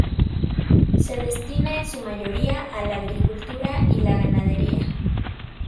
Se destina en su mayoría a la agricultura y la ganadería.